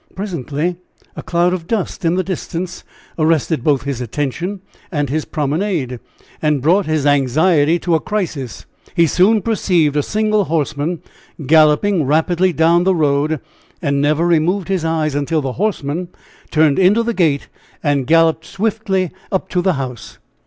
Presently a cloud of dust in the distance arrested both his attention and his promenade, and brought his anxiety to a crisis. He soon perceived a single horseman galloping rapidly down the road, and never removed his eyes until the horseman turned into the gate and galloped swiftly up to the house.